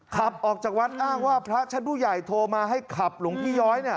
ขับออกจากวัดอ้างว่าพระชั้นผู้ใหญ่โทรมาให้ขับหลวงพี่ย้อย